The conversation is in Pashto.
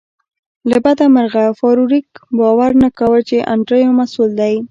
له بده مرغه فارویک باور نه کاوه چې انډریو مسؤل دی